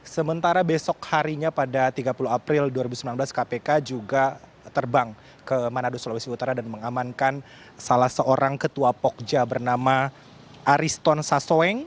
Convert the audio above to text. sementara besok harinya pada tiga puluh april dua ribu sembilan belas kpk juga terbang ke manado sulawesi utara dan mengamankan salah seorang ketua pokja bernama ariston sasoeng